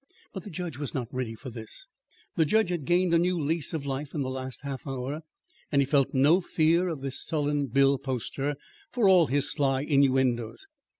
But the judge was not ready for this. The judge had gained a new lease of life in the last half hour and he felt no fear of this sullen bill poster for all his sly innuendoes.